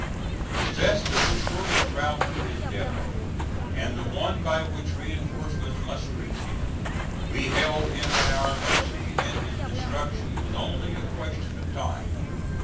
Possessed of the shortest route to his depot, and the one by which reinforcements must reach him, we held him at our mercy, and his destruction was only a question of time."